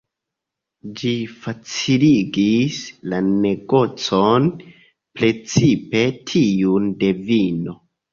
Ĝi faciligis la negocon, precipe tiun de vino.